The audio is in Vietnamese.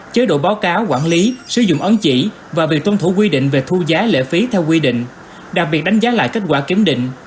chế độ báo cáo quản lý sử dụng ấn chỉ và việc tuân thủ quy định về thu giá lễ phí theo quy định đặc biệt đánh giá lại kết quả kiểm định